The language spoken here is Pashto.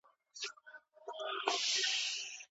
د کمپیوټر ساینس پوهنځۍ په چټکۍ نه ارزول کیږي.